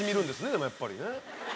でもやっぱりね。